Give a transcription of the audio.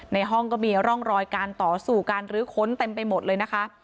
ในห้องก็มีร่องรอยการต่อสู่การรื้อค้นเต็มไปหมดเลยนะคะ